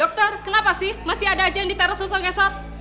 dokter kenapa sih masih ada aja yang ditaruh sampai saat